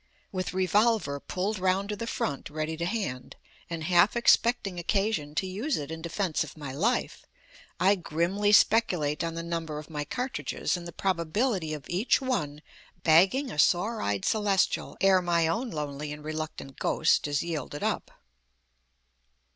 With revolver pulled round to the front ready to hand, and half expecting occasion to use it in defence of my life, I grimly speculate on the number of my cartridges and the probability of each one bagging a sore eyed Celestial ere my own lonely and reluctant ghost is yielded up.